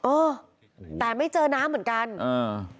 เออแต่ไม่เจอน้ำเหมือนกันอ่า